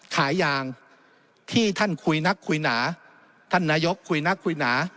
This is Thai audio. ขายยางที่ท่านคุยนักคุยหนาท่านนายกคุยนักคุยหนา